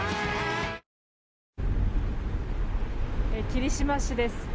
霧島市です。